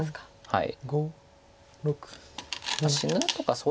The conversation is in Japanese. はい。